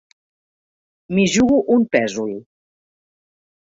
M'hi jugo un pèsol.